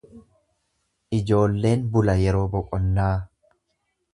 Ijoolleen bula yeroo boqonnaa.